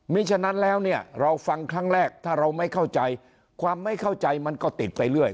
มีฉะนั้นแล้วเนี่ยเราฟังครั้งแรกถ้าเราไม่เข้าใจความไม่เข้าใจมันก็ติดไปเรื่อย